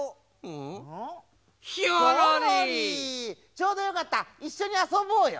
ちょうどよかったいっしょにあそぼうよ。